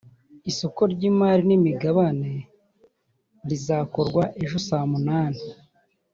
isoko ry’imari n’imigabane rizakorwa ejo sa munani